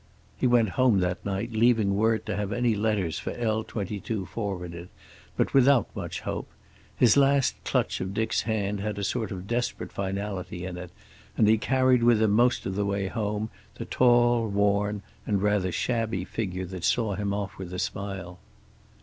He went home that night, leaving word to have any letters for L 22 forwarded, but without much hope. His last clutch of Dick's hand had a sort of desperate finality in it, and he carried with him most of the way home the tall, worn and rather shabby figure that saw him off with a smile.